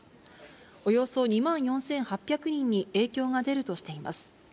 およそ２万４８００人に影響が出るとしています。